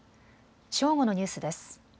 正午のニュースです。